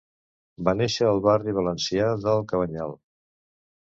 Va nàixer al barri valencià del Cabanyal.